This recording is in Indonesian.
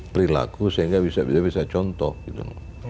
perilaku sehingga bisa contoh gitu